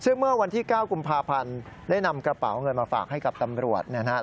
ซึ่งเมื่อวันที่๙กุมภาพันธ์ได้นำกระเป๋าเงินมาฝากให้กับตำรวจนะครับ